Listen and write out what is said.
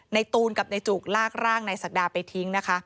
ในตูนกับในจูกลากร่างนายศักดาไปทิ้งนะคะ